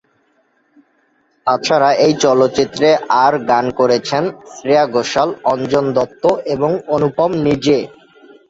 তাছাড়া এই চলচ্চিত্রে আর গান করেছেন শ্রেয়া ঘোষাল, অঞ্জন দত্ত, এবং অনুপম নিজে।